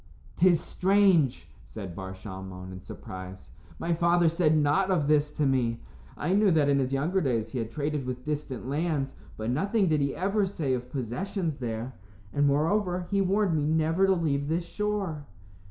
"'Tis strange," said Bar Shalmon, in surprise; "my father said nought of this to me. I knew that in his younger days he had traded with distant lands, but nothing did he ever say of possessions there. And, moreover, he warned me never to leave this shore."